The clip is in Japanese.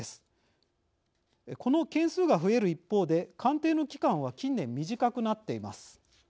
この件数が増える一方で鑑定の期間は近年短くなっています。